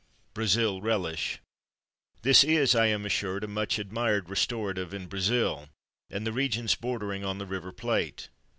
Brazil Relish. This is, I am assured, a much admired restorative in Brazil, and the regions bordering on the River Plate.